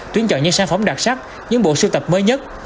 tuyên trợ những sản phẩm đặc sắc những bộ sưu tập mới nhất